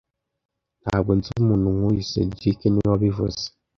Ntabwo nzi umuntu nkuriya cedric niwe wabivuze